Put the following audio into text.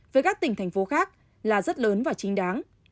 với các tỉnh thành phố khác là rất lớn và chính đáng